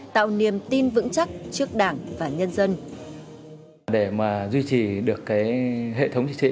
tạo niềm tin vững chắc trước đảng và nhân dân